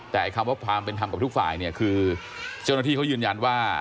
แต่คำว่าความเป็นธรรมกับทุกฝ่ายเนี่ยคือเจ้าหน้าที่เขายืนยันว่า